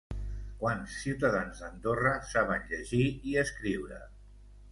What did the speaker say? Quants ciutadans d'Andorra saben llegir i escriure?